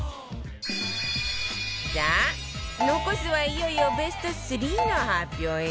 さあ残すはいよいよベスト３の発表よ